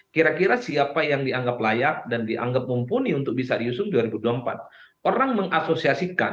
kira kira siapa yang dianggap layak dan dianggap mumpuni untuk bisa diusung dua ribu dua puluh empat orang mengasosiasikan